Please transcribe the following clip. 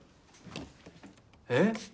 えっ？